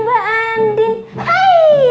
baik makanya saja